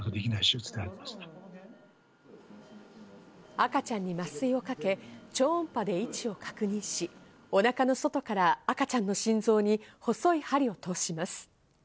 赤ちゃんに麻酔をかけ、超音波で位置を確認し、お腹の外から赤ちゃんの心臓に細い針を通します。